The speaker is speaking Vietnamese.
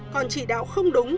còn chỉ đạo không đúng